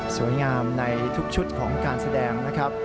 สวยงามในทุกชุดของการแสดงนะครับ